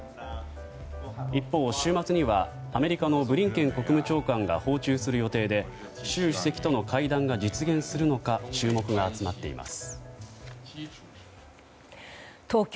一方、週末にはアメリカブリンケン国務長官が訪中する予定で習主席との会談が実現するのか注目が集まっています。